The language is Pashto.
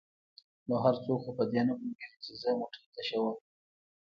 ـ نو هر څوک خو په دې نه پوهېږي چې زه مټۍ تشوم.